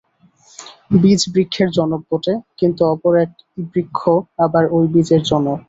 বীজ বৃক্ষের জনক বটে, কিন্তু অপর এক বৃক্ষ আবার ঐ বীজের জনক।